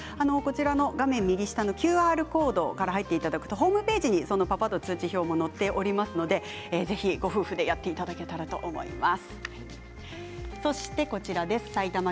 画面右下のＱＲコードから入っていただくとホームページにパパ度通知表も載っておりますのでぜひご夫婦でやっていただけたらと思います。